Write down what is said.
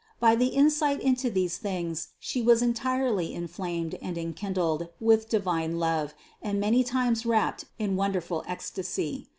By the insight into these things She was entirely inflamed and enkindled with divine love and many times wrapt in wonderful ecstasy.